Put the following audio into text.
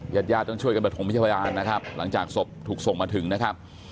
ญาติญาติต้องช่วยกันประถมพยาบาลนะครับหลังจากศพถูกส่งมาถึงนะครับ